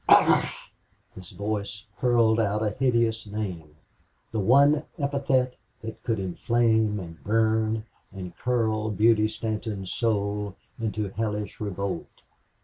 "!" His voice hurled out a heinous name, the one epithet that could inflame and burn and curl Beauty Stanton's soul into hellish revolt.